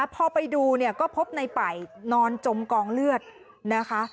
พอไปดูเนี่ยก็พบในป่ายนอนจมกองเลือดนะคะ